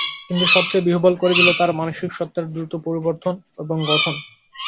কিন্তু সবচেয়ে বিহ্বল করে দিল তার মানসিক সত্তার দ্রুত পরিবর্তন এবং গঠন।